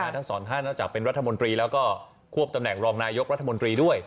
ทั้งสองท่านนอกจากเป็นรัฐมนตรีแล้วก็ควบตำแหน่งรองนายกรัฐมนตรีด้วย